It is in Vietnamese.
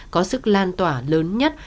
có sức lan tỏa lớn nhất